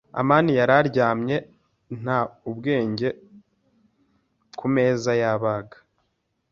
amani yari aryamye nta ubwenge ku meza yabaga.